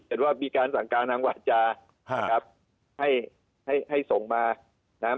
เห็นว่ามีการสั่งการทางหวาจานะครับให้ให้ส่งมานะครับ